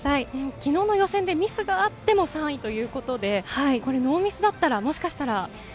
昨日の予選でミスがあっても３位ということでノーミスだったら、もしかしたら？